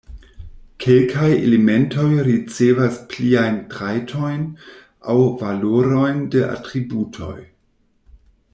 Kelkaj elementoj ricevas pliajn trajtojn aŭ valorojn de atributoj.